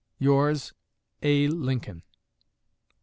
Yours, A. Lincoln.